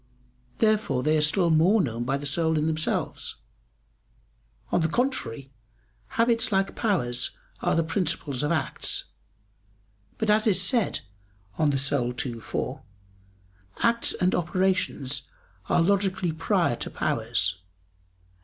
Therefore they are still more known by the soul in themselves. On the contrary, Habits like powers are the principles of acts. But as is said (De Anima ii, 4), "acts and operations are logically prior to powers."